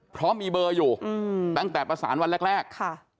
เพราะมีเบอร์อยู่ตั้งแต่ประสานวันแรกแรกค่ะ